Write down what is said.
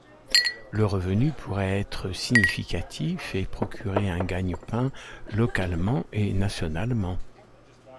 Le revenu pourrait être significatif et procurer un gagne-pain localement et nationalement.